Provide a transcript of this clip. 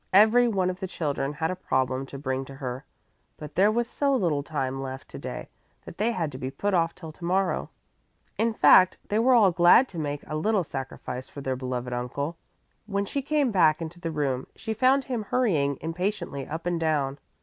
Every one of the children had a problem to bring to her, but there was so little time left to day that they had to be put off till to morrow. In fact, they were all glad to make a little sacrifice for their beloved uncle. When she came back into the room, she found him hurrying impatiently up and down.